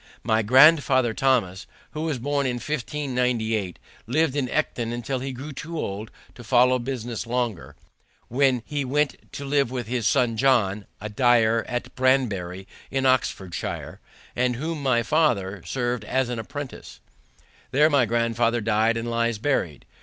My grandfather Thomas, who was born in 1598, lived at Ecton till he grew too old to follow business longer, when he went to live with his son John, a dyer at Banbury, in Oxfordshire, with whom my father served an apprenticeship. There my grandfather died and lies buried.